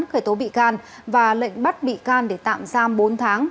khởi tố bị can và lệnh bắt bị can để tạm giam bốn tháng